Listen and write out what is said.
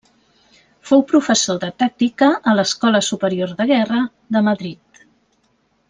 Fou professor de tàctica a l'Escola Superior de Guerra de Madrid.